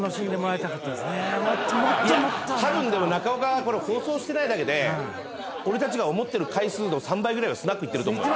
いや多分でも中岡これ放送してないだけで俺たちが思ってる回数の３倍ぐらいはスナック行ってると思うよ。